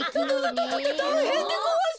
たたたたいへんでごわす！